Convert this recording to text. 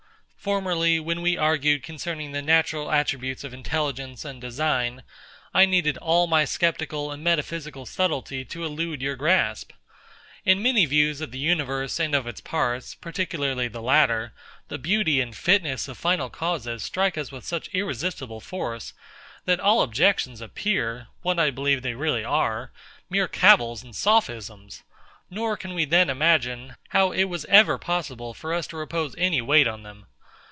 Formerly, when we argued concerning the natural attributes of intelligence and design, I needed all my sceptical and metaphysical subtlety to elude your grasp. In many views of the universe, and of its parts, particularly the latter, the beauty and fitness of final causes strike us with such irresistible force, that all objections appear (what I believe they really are) mere cavils and sophisms; nor can we then imagine how it was ever possible for us to repose any weight on them.